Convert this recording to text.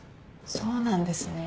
そうなんですね。